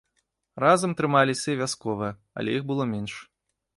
Разам трымаліся і вясковыя, але іх было менш.